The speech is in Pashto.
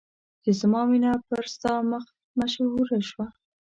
چې زما مینه پر ستا مخ مشهوره شوه.